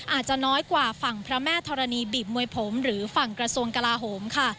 อาจจะน้อยกว่าฝั่งพระแม่ธรณีบีบมวยผมหรือฝั่งกระทรวงกลาโหมค่ะ